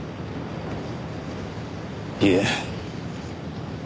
いえ。